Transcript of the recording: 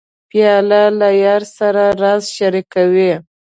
پیاله له یار سره راز شریکوي.